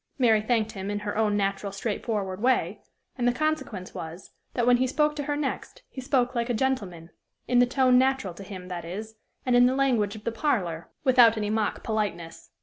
Mary thanked him in her own natural, straightforward way, and the consequence was, that, when he spoke to her next, he spoke like a gentleman in the tone natural to him, that is, and in the language of the parlor, without any mock politeness.